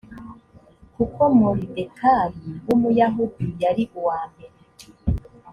kuko moridekayi w umuyahudi yari uwa mbere